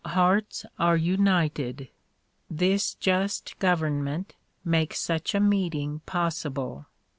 Hearts are united. This just government makes such a meeting possible.